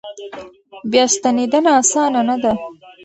بیا ستنېدنه اسانه نه ده.